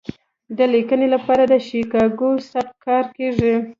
د لیکنې لپاره د شیکاګو سبک کارول کیږي.